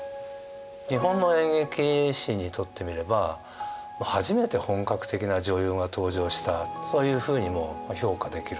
日本の演劇史にとってみれば初めて本格的な女優が登場したというふうにも評価できる。